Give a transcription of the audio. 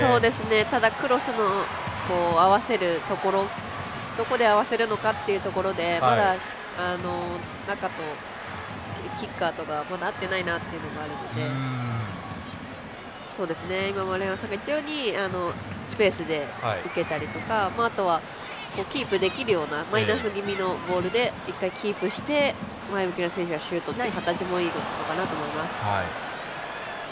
ただクロスの合わせるところどこで合わせるのかっていうところで中とキッカーとがまだ合ってないなというのがあるので今、丸山さんが言ったようにスペースで受けたりとか、あとはキープできるようなマイナス気味のボールで一回、キープして前向きの選手がシュートという形がいいのかなと思います。